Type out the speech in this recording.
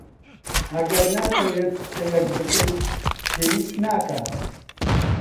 ئەگەر ناتەوێت قسەیەک بکەیت، پێویست ناکات.